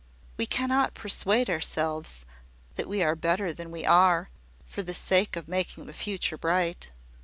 We cannot persuade ourselves that we are better than we are, for the sake of making the future bright."